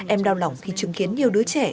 em đau lòng khi chứng kiến nhiều đứa trẻ